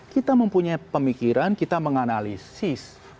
kita mempunyai pemikiran kita menganalisis